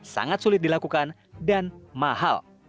sangat sulit dilakukan dan mahal